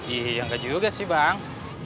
iya enggak juga sih bang